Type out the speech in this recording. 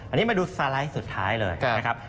อันนี้มาดูสไลด์สุดท้ายเลยนะครับ